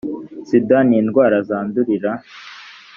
sida ni indwara zandurira